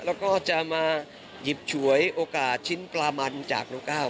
แล้วก็จะมาหยิบฉวยโอกาสชิ้นปลามันจากน้องก้าว